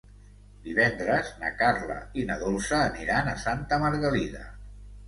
Divendres na Carla i na Dolça aniran a Santa Margalida.